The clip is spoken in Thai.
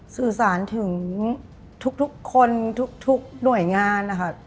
สื่อสารถึงทุกคนทุกหน่วยงานนะคะ